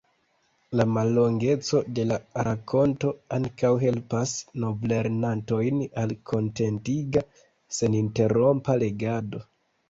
La mallongeco de la rakonto ankaŭ helpas novlernantojn al kontentiga, seninterrompa legado.